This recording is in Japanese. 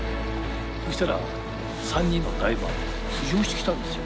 そしたら３人のダイバーが浮上してきたんですよ。